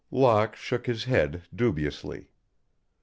Locke shook his head dubiously.